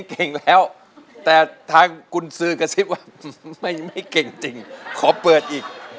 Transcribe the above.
เก่งแล้วแต่ทางกุญสือกระซิบว่าไม่เก่งจริงขอเปิดอีก